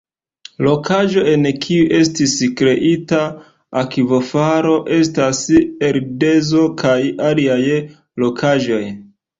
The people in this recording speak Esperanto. Rokaĵo en kiu estis kreita akvofalo estas ardezo kaj aliaj rokaĵoj.